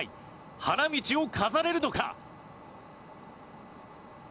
花道を飾れるのか？